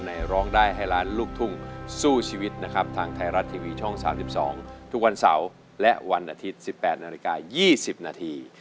ร้องได้ให้ล้านลูกทุ่งสู้ชีวิตนะครับทางไทยรัฐทีวีช่อง๓๒ทุกวันเสาร์และวันอาทิตย์๑๘นาฬิกา๒๐นาที